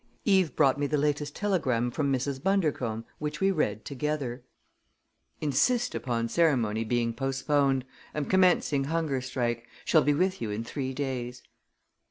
Eve brought me the latest telegram from Mrs. Bundercombe, which we read together: Insist upon ceremony being postponed! Am commencing hunger strike. Shall be with you in three days.